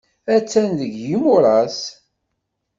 Attan deg yimuras.